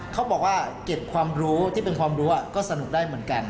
เขาบอกว่าเก็บความรู้ที่เป็นความรู้ก็สนุกได้เหมือนกัน